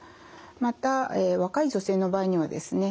また若い女性の場合にはですね